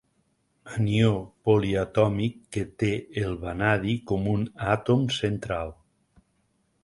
Anió poliatòmic que té el vanadi com a àtom central.